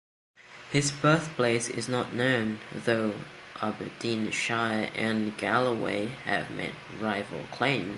His birthplace is not known, though Aberdeenshire and Galloway have made rival claims.